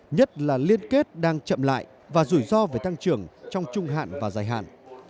nhất là liên kết đang chậm lại và rủi ro về tăng trưởng trong trung hạn và dài hạn